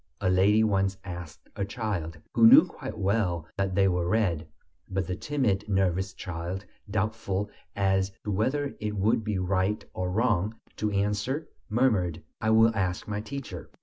a lady once asked a child, who knew quite well that they were red. But the timid, nervous child, doubtful as to whether it would be right or wrong to answer, murmured: "I will ask my teacher."